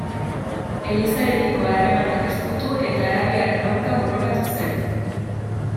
Elizarekiko harremanak estutu eta arabiarren aurka borrokatu zen.